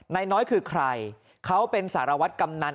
นายน้อยคือใครเขาเป็นสารวัตรกำนัน